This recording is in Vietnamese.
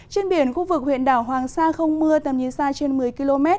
trên biển khu vực huyện đảo hoàng sa không mưa tầm nhìn xa trên một mươi km